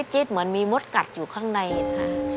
จิ๊ดเหมือนมีมดกัดอยู่ข้างในค่ะ